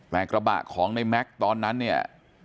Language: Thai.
แต่กระบะของในแม็กซ์ตอนนั้นเนี่ย